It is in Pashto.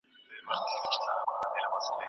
هر نادر سره قادر سته.